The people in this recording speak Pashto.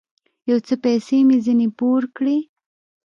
يو څه پيسې مې ځنې پور کړې.